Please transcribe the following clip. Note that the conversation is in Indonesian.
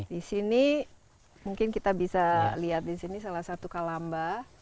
di sini mungkin kita bisa lihat di sini salah satu kalamba